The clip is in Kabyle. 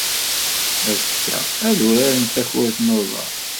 Azekka, ad uratent takurt n uḍar.